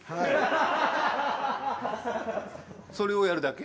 それをやるだけ？